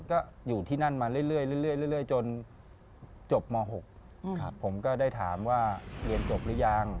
ก็อยู่ที่นั่นมาเรื่อยจนจบม๖ผมก็ได้ถามว่าเรียนจบหรือยัง